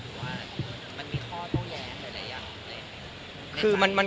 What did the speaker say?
หรือว่ามันมีข้อต้องแย้งอะไรอย่างแหละ